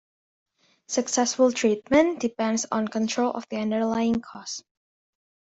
Successful treatment depends on control of the underlying cause.